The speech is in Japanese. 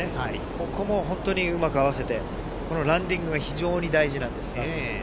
ここも本当にうまく合わせてランディングが非常に大事なんです。